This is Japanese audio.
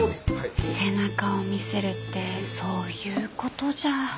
背中を見せるってそういうことじゃ。